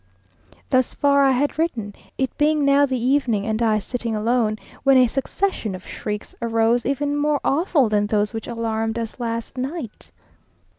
Thus far I had written, it being now the evening, and I sitting alone, when a succession of shrieks arose, even more awful than those which alarmed us last night.